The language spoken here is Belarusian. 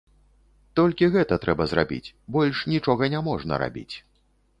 Толькі гэта трэба зрабіць, больш нічога не можна рабіць.